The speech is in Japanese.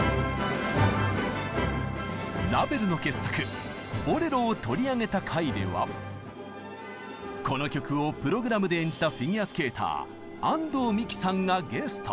ラヴェルの傑作「ボレロ」を取り上げた回ではこの曲をプログラムで演じたフィギュアスケーター安藤美姫さんがゲスト。